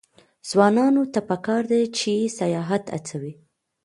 ځوانانو ته پکار ده چې، سیاحت هڅوي.